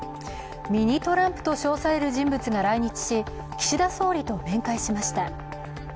ミニ・トランプと称される人物が来日し、岸田総理と面会しました。